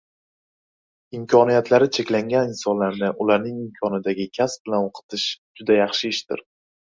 Imkoniyatlari cheklangan insonlarni ularning imkonidagi kasb bilan oʻqitish juda yaxshi ishdir.